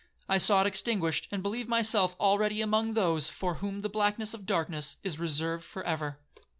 I saw it extinguished and believed myself already among those for 'whom the blackness of darkness is reserved for ever.'